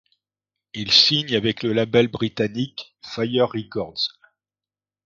Ils signent avec le label britannique Fire Records.